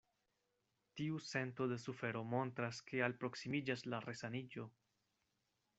Tiu sento de sufero montras, ke alproksimiĝas la resaniĝo.